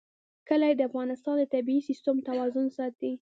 کلي د افغانستان د طبعي سیسټم توازن ساتي.